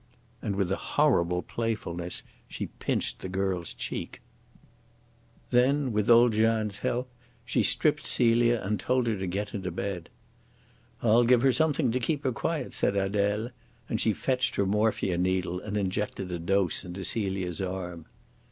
And with a horrible playfulness she pinched the girl's cheek. Then with old Jeanne's help she stripped Celia and told her to get into bed. "I'll give her something to keep her quiet," said Adele, and she fetched her morphia needle and injected a dose into Celia's arm.